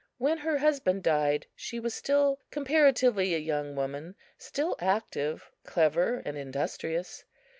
When her husband died she was still comparatively a young woman still active, clever and industrious.